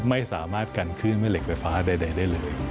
ไม่สามารถกันขึ้นแม่เหล็กไฟฟ้าใดได้เลย